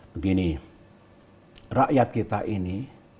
begini rakyat kita ini